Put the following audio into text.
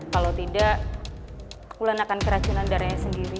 kalau tidak bulan akan keracunan darahnya sendiri